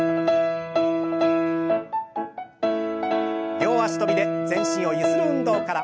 両脚跳びで全身をゆする運動から。